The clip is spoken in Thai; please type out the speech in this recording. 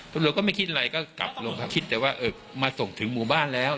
ตำรวจก็ไม่คิดอะไรก็กลับลงพักคิดแต่ว่าเออมาส่งถึงหมู่บ้านแล้ว